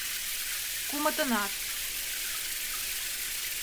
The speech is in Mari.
Кумытынат.